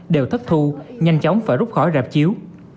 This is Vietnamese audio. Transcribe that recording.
đều thất thu nhanh chóng phải rút khỏi rạp chiếu